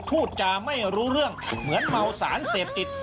พูดจาไม่รู้เรื่องเหมือนเมาสารเสพติด